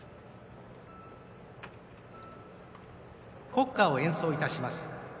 国歌を演奏いたします。